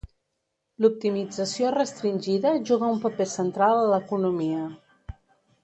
L'optimització restringida juga un paper central a l'economia.